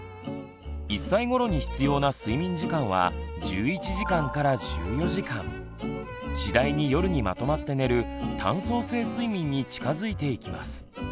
１歳ごろに必要な睡眠時間は１１時間から１４時間次第に夜にまとまって寝る「単相性睡眠」に近づいていきます。